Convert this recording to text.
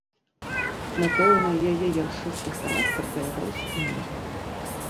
Напэўна, яе яршысты характар перадаўся і мне.